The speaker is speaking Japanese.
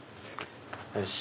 よし！